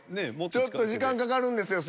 ちょっと時間かかるんですよ